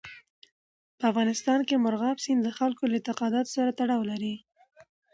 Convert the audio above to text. په افغانستان کې مورغاب سیند د خلکو له اعتقاداتو سره تړاو لري.